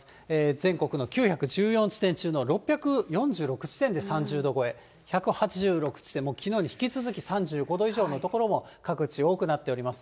全国の９１４地点中の６４６地点で３０度超え、１８６地点、きのうに引き続き３５度以上の所も各地、多くなっております。